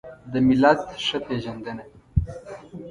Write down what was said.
د ملت ښه پېژندنه